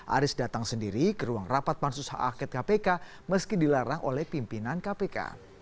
aris datang sendiri ke ruang rapat pansus hak angket kpk meski dilarang oleh pimpinan kpk